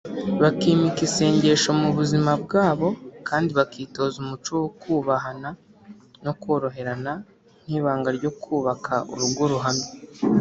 bakimika isengesho mu buzima bwabo kandi bakitoza umuco wo kubahana no koroherana nk’ibanga ryo kubaka urugo ruhamye